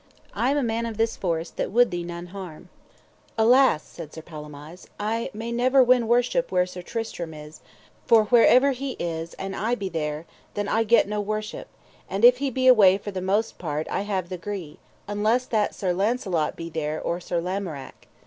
I am a man of this forest that would thee none harm. Alas, said Sir Palomides, I may never win worship where Sir Tristram is; for ever where he is an I be there, then get I no worship; and if he be away for the most part I have the gree, unless that Sir Launcelot be there or Sir Lamorak.